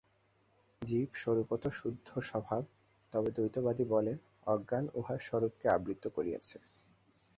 জীব স্বরূপত শুদ্ধস্বভাব, তবে দ্বৈতবাদী বলেন, অজ্ঞান উহার স্বরূপকে আবৃত করিয়াছে।